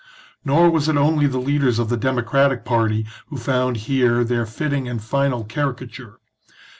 Nor was it only the leaders of the democratic party who found here their fitting and final carica ture.